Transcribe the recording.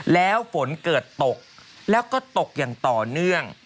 แล้วฝนเกิดตกแล้วก็ตกอย่างต่อเนื่อง